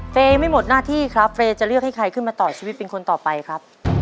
ไม่หมดหน้าที่ครับเฟย์จะเลือกให้ใครขึ้นมาต่อชีวิตเป็นคนต่อไปครับ